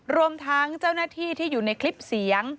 รวมทั้งเจ้าหน้าที่ที่อยู่ในคลิปเสียง